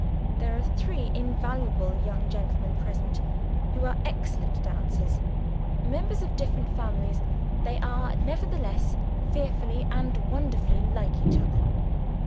There are three invaluable young gentlemen present, who are excellent dancers. Members of different families, they are nevertheless fearfully and wonderfully like each other.